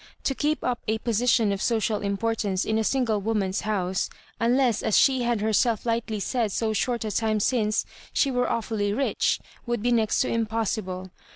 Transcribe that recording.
To keep up a position of social importance in a single woman's house, unless, as she had herself lightly said so short a time since, she were aw fully rich, would be next to impossible.